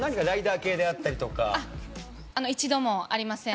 一度もありません。